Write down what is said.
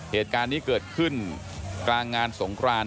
เหตุการณ์นี้เกิดขึ้นกลางงานสงคราน